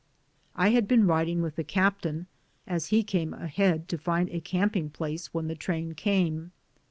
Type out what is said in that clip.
I had been riding with the captain as he came ahead to find a camping place when the train came.